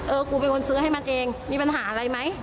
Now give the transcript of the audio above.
กูเป็นคนซื้อให้มันเองมีปัญหาอะไรไหม